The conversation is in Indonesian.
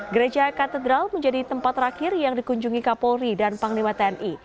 gereja katedral menjadi tempat terakhir yang dikunjungi kapolri dan panglima tni